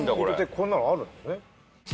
こんなのあるんですね。